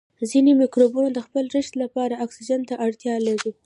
ځینې مکروبونه د خپل رشد لپاره اکسیجن ته اړتیا لري.